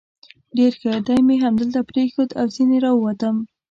ډېر ښه، دی مې همدلته پرېښود او ځنې را ووتم.